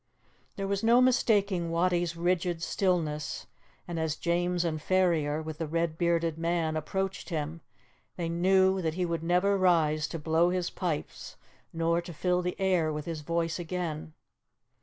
There was no mistaking Wattie's rigid stillness, and as James and Ferrier, with the red bearded man, approached him, they knew that he would never rise to blow his pipes nor to fill the air with his voice again.